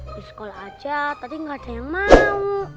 di sekolah aja tapi gak ada yang mau